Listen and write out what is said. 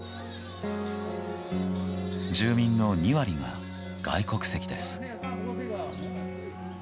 住民の２割が外国籍です。